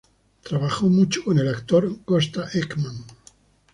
Trabajó mucho con el actor Gösta Ekman.